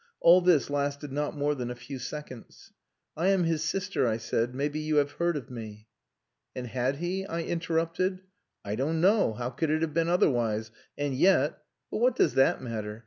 All this lasted not more than a few seconds. 'I am his sister,' I said. 'Maybe you have heard of me.'" "And had he?" I interrupted. "I don't know. How could it have been otherwise? And yet.... But what does that matter?